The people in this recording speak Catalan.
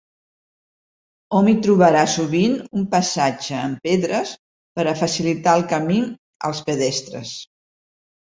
Hom hi trobarà sovint un passatge amb pedres per a facilitar el camí als pedestres.